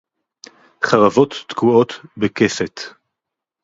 חֲרָבוֹת תְּקוּעוֹת בַּכֶּסֶת